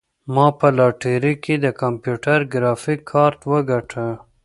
ما په لاټرۍ کې د کمپیوټر ګرافیک کارت وګاټه.